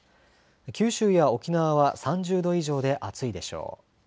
九州や沖縄は３０度以上で暑いでしょう。